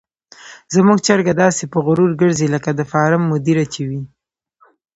زموږ چرګه داسې په غرور ګرځي لکه د فارم مدیره چې وي.